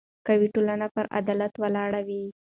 قوي ټولنه پر عدالت ولاړه وي